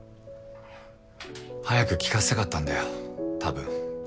早く聴かせたかったんだよ多分。